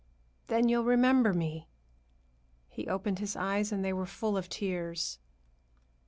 "Then you'll remember me!" He opened his eyes, and they were full of tears.